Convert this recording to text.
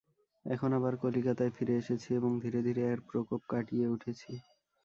এখন আবার কলিকাতায় ফিরে এসেছি এবং ধীরে ধীরে এর প্রকোপ কাটিয়ে উঠছি।